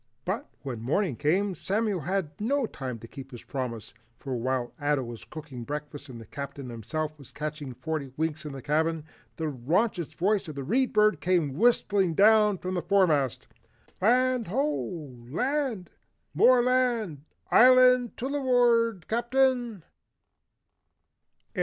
But when morning came, Samuel had no time to keep his promise, for while Ato was cooking breakfast and the Captain himself catching forty winks in the cabin, the raucous voice of the Read Bird came whistling down from the foremast. "Land Ho! Land! More Land. Island tuluward, Captain!"